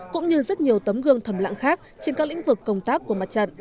cũng như rất nhiều tấm gương thầm lặng khác trên các lĩnh vực công tác của mặt trận